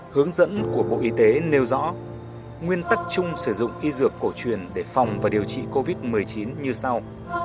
hướng dẫn của bộ y tế nêu rõ nguyên tắc chung sử dụng y dược cổ truyền để phòng và điều trị covid một mươi chín như sau